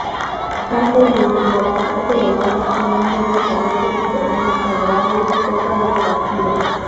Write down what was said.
Árbol de vigorosidad elevada, y un buen desarrollo en terrenos favorables, copa esparcida.